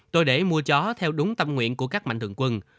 tôi để mua chó theo đúng tâm nguyện của các mạnh thượng quân